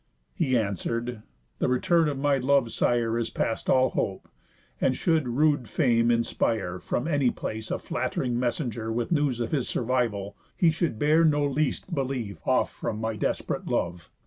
He answer'd: "The return of my lov'd sire Is past all hope; and should rude Fame inspire From any place a flatt'ring messenger With news of his survival, he should bear No least belief off from my desp'rate love.